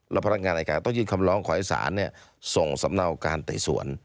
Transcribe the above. แล้วพนักงานอายการต้องยื่นคำร้องขอให้ศาลส่งสำเนาการไต่สวน